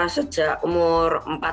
sejak umur empat tahun